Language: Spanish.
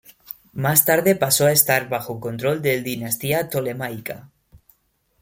Más tarde pasó a estar bajo control del dinastía Ptolemaica.